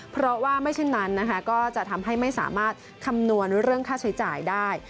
เพราะว่าไม่เช่นนั้นนะคะก็จะทำให้ไม่สามารถคำนวณเรื่องค่าใช้จ่ายได้